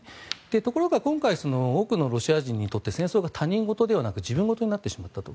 ところが、今回多くのロシア人にとって戦争が他人事ではなく自分事になってしまったと。